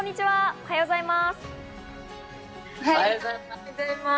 おはようございます。